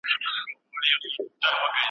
کم عقل خپل پردي کوي ژړا راځينه